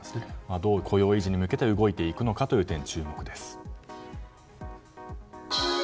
どう雇用維持に向けて動いていくのか、注目です。